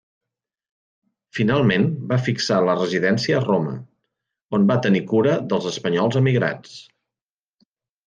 Finalment va fixar la residència a Roma, on va tenir cura dels espanyols emigrats.